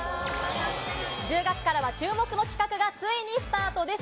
１０月からは注目の企画がついにスタートです。